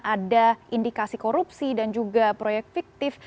ada indikasi korupsi dan juga proyek fiktif